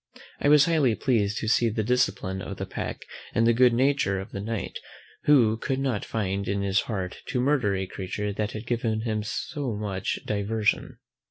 I was highly pleased to see the discipline of the pack, and the good nature of the Knight, who could not find in his heart to murder a creature that had given him so much diversion.